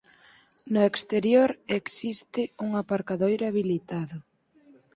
No exterior existe un aparcadoiro habilitado.